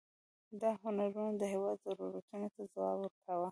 دا هنرونه د هېواد ضرورتونو ته ځواب ورکاوه.